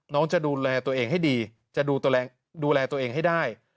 จะดูแลตัวเองให้ดีจะดูแลตัวเองให้ได้